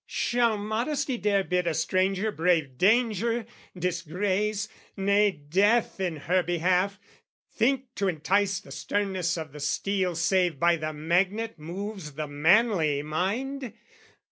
Shall modesty dare bid a stranger brave Danger, disgrace, nay death in her behalf Think to entice the sternness of the steel Save by the magnet moves the manly mind?